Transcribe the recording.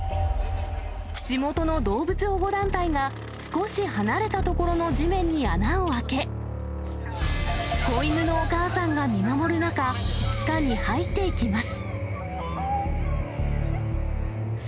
地元の動物保護団体が、少し離れた所の地面に穴を開け、子犬のお母さんが見守る中、地下に入っていきます。